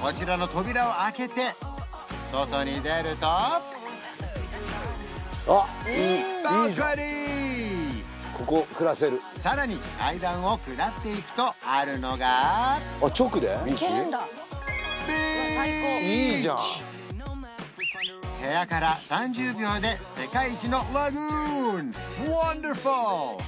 こちらの扉を開けて外に出るとさらに階段を下っていくとあるのが部屋から３０秒で世界一のラグーンワンダフル！